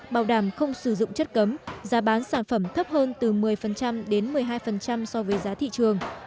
bảo đảm không sử dụng chất cấm giá bán sản phẩm thấp hơn từ một mươi đến một mươi hai so với giá thị trường